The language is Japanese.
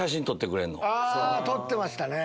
撮ってましたね。